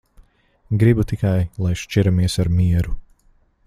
Gribu tikai, lai šķiramies ar mieru.